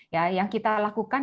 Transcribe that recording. ya yang kita lakukan